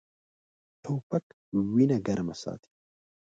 توپک وینه ګرمه ساتي.